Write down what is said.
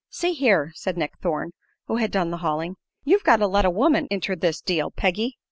"See here," said Nick Thorne, who had done the hauling, "you've got to let a woman inter this deal, Peggy."